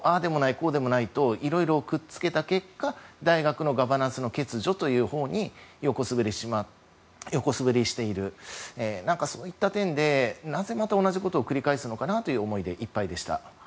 こうでもないといろいろくっつけた結果大学のガバナンスの欠如というほうに横滑りしているそういった点で、なぜまた同じことを繰り返すのかなという思いでいっぱいでした。